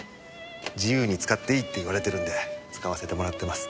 自由に使っていいって言われてるんで使わせてもらってます。